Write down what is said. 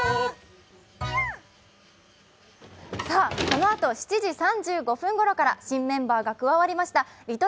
このあと、７時３５分ごろから新メンバーが加わりました